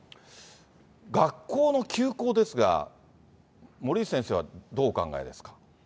学校の休校ですが、森内先生はどうお考えですか。